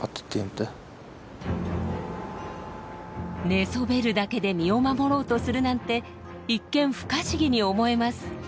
寝そべるだけで身を守ろうとするなんて一見不可思議に思えます。